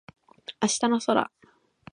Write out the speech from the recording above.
明日の空